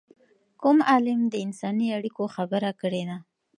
کوم عالم د انساني اړیکو خبره کړې ده؟